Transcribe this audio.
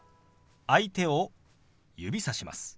相手を指さします。